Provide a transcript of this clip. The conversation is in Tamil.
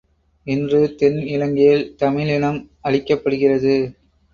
இன்று தென் இலங்கையில் தமிழினம் அழிக்கப்படுகிறது!